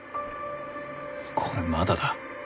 これまだだ。